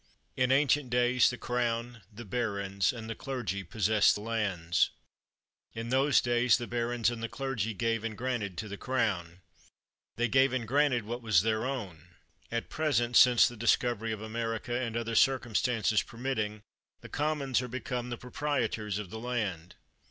In ancient days, the Crown, the barons, and the clergy possessed the lands. In those days, the barons and the clergy gave and granted to the Crown. They gave and granted what was their own! At present, since the discovery of America, and other circumstances permitting, the Commons are become the proprietors of the land.